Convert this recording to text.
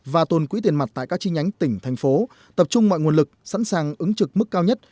và tồn quỹ tiền mặt tại các chi nhánh tỉnh thành phố tập trung mọi nguồn lực sẵn sàng ứng trực mức cao nhất